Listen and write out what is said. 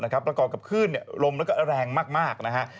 แล้วก่อกับขึ้นลมแล้วก็แรงมากนะครับ